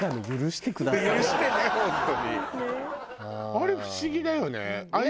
あれ不思議だよね。